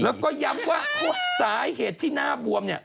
แล้วก็ย้ำว่าสาเหตุที่นางบวม